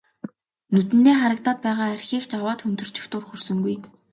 Нүдэндээ харагдаад байгаа архийг ч аваад хөнтөрчих дур хүрсэнгүй.